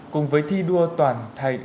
cùng với thi đua toàn thành